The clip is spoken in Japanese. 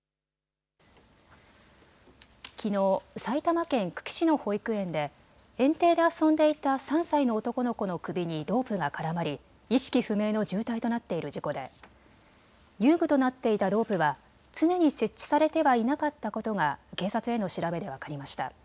きのう埼玉県久喜市の保育園で園庭で遊んでいた３歳の男の子の首にロープが絡まり意識不明の重体となっている事故で遊具となっていたロープは常に設置されてはいなかったことが警察の調べで分かりました。